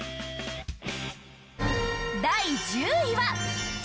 第１０位は。